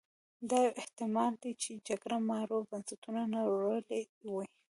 دا یو احتما ل دی چې جګړه مارو بنسټونه نړولي وي.